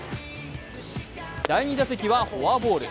第２打席はフォアボール。